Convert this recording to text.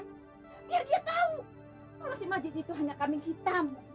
biar dia tahu kalau si majid itu hanya kambing hitam